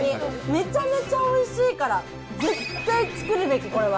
めちゃめちゃおいしいから、絶対作るべき、これは。